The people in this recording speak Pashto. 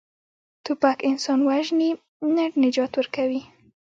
توپک انسان وژني، نه نجات ورکوي.